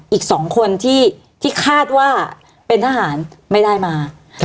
อีก๒คนที่คาดว่าเป็นทหารไม่ได้มา